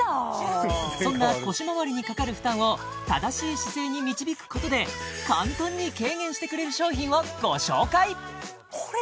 そんな腰まわりにかかる負担を正しい姿勢に導くことで簡単に軽減してくれる商品をご紹介！